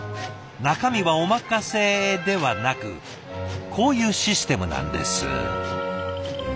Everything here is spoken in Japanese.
中身はお任せではなくこういうシステムなんです。